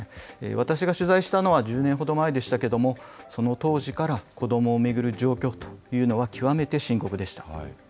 私が取材したのは１０年ほど前でしたけども、その当時から、子どもを巡る状況というのは極めて深刻でした。